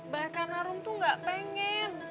bah karena rom tuh nggak pengen